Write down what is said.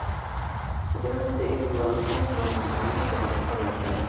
Posteriormente, ella ayudó a otros afroamericanos a prepararse para la prueba.